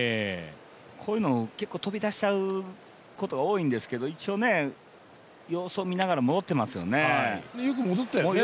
こういうの、結構飛び出しちゃうことが多いんですけど一応ね、様子を見ながら戻ってますよね。